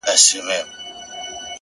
حقیقت تل پاتې وي!